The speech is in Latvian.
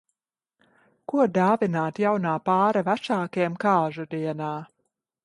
Ko dāvināt jaunā pāra vecākiem kāzu dienā?